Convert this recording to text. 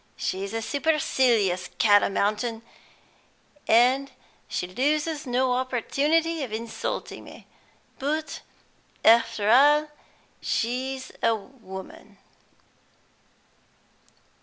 She's a supercilious cat o mountain, and she loses no opportunity of insulting me, but after all she's a woman."